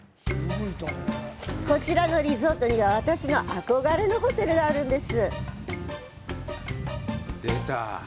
こちらのリゾートには私の憧れのホテルがあるんです。